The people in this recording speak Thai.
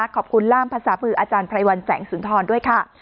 ขอบคุณล่ามภาษาฝืออไพรวันแสงสุนทรด้วยค่ะ